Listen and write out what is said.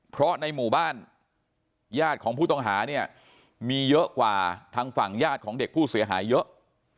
เพราะในหมู่บ้านญาติของผู้ต้องหาเนี่ยมีเยอะกว่าทางฝั่งญาติของเด็กผู้เสียหายเยอะ